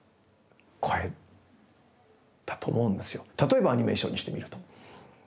例えばアニメーションにしてみると。